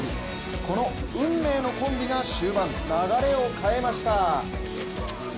この運命のコンビが終盤流れを変えました。